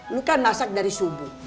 lu kan masak dari subuh